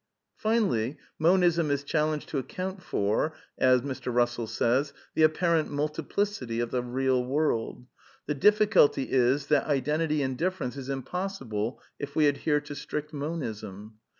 Finally, Monism is challenged to account for *' the apparent multiplicity of the real world. The difficulty is that identity in difference is impossible if we adhere to strie Monism.